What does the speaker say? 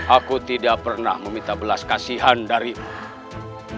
aku tidak pernah meminta belas kasihan darimu